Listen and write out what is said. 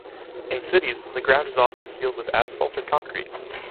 In cities, the ground is often sealed with asphalt or concrete.